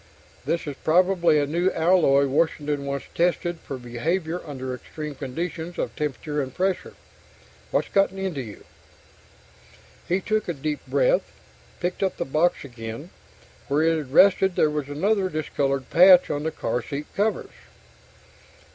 This is probably a new alloy Washington wants tested for behavior under extreme conditions of temperature and pressure. What's gotten into you?_ He took a deep breath, picked up the box again. Where it had rested there was another discolored patch on the car seat covers.